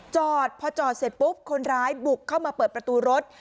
จอดพอจอดเสร็จปุ๊บคนร้ายบุกเข้ามาเปิดประตูรถ